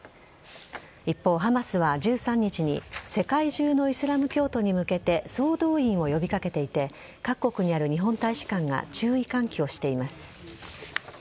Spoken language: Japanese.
一方、ハマスは１３日に世界中のイスラム教徒に向けて総動員を呼び掛けていて各国にある日本大使館が注意喚起をしています。